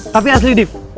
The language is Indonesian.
tapi asli dip